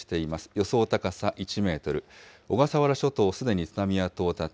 予想高さ１メートル、小笠原諸島、津波は到達。